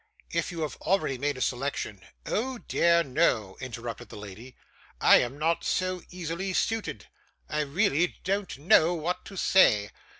'If you have already made a selection ' 'Oh dear no,' interrupted the lady, 'I am not so easily suited. I really don't know what to say.